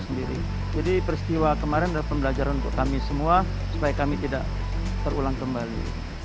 sendiri jadi peristiwa kemarin adalah pembelajaran untuk kami semua supaya kami tidak terulang kembali